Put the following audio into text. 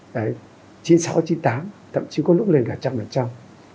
đấy chín mươi sáu chín mươi tám tậm chí có lúc lên cả trăm là trăm